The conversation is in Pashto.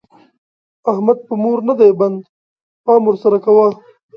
احمد په مور نه دی بند؛ پام ور سره کوه.